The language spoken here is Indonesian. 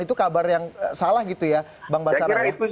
itu kabar yang salah gitu ya bang basaranya